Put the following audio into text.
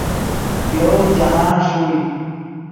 یوؤ جاہند ݰوئے